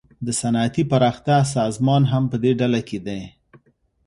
د صنعتي پراختیا سازمان هم پدې ډله کې دی